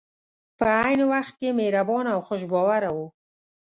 په عین وخت کې مهربان او خوش باوره وو.